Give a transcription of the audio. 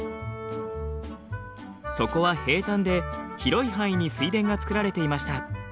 そこは平たんで広い範囲に水田が作られていました。